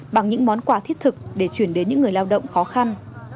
bằng những món quà thiết thực để chuyển đến những người lao động khó khăn